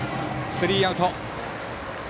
スリーアウト。